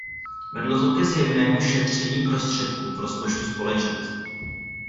Vedlo to ke zjevnému šetření prostředků v rozpočtu Společenství.